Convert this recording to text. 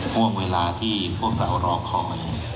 ห่วงเวลาที่พวกเรารอคอย